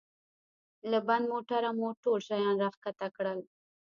له بند موټره مو ټول شیان را کښته کړل.